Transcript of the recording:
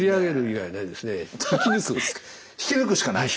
引き抜くしかない？